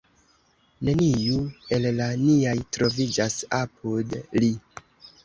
Neniu el la niaj troviĝas apud li.